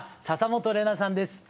笹本玲奈さんです。